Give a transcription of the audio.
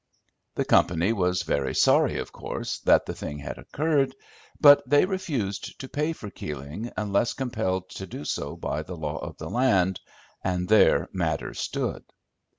The company was very sorry, of course, that the thing had occurred; but they refused to pay for Keeling unless compelled to do so by the law of the land, and there matters stood.